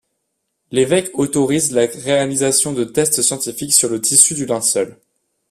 L'évêque autorise la réalisation de tests scientifiques sur le tissu du linceul.